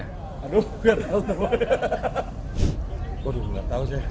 aduh gak tahu